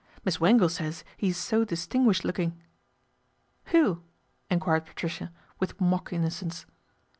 Miss Wangle says he is so distinguished looking." ' Who ?" enquired Patricia, with mock in nocence.